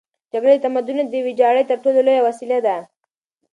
جګړه د تمدنونو د ویجاړۍ تر ټولو لویه وسیله ده.